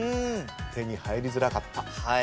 手に入りづらかった。